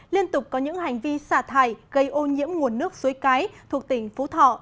liên tục có những hành vi xả thải gây ô nhiễm nguồn nước suối cái thuộc tỉnh phú thọ